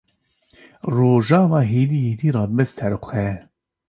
Rojava hêdî hêdî radibe ser xwe.